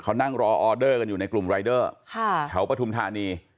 เขานั่งรอออเดอร์กันอยู่ในกลุ่มรายเดอร์แถวปฐุมธานี